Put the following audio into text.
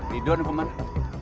ridon ke mana